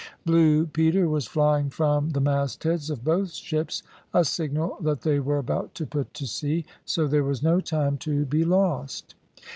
Blue Peter was flying from the mastheads of both ships, a signal that they were about to put to sea, so there was no time to be lost.